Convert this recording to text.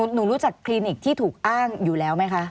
หนูรู้จักคลินิกที่ถูกอ้างอยู่แล้วไหมคะ